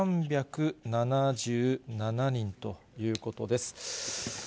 ７３７７人ということです。